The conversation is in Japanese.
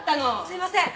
すいません！